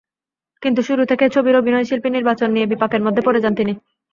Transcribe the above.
কিন্তু শুরু থেকেই ছবির অভিনয়শিল্পী নির্বাচন নিয়ে বিপাকের মধ্যে পড়ে যান তিনি।